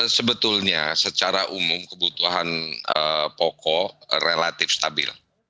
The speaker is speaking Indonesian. sebetulnya secara umum kebutuhan pokok relatif stabil